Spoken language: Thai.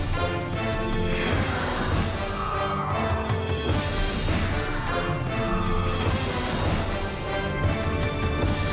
โปรดติดตามตอนต่อไป